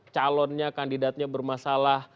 calonnya kandidatnya bermasalah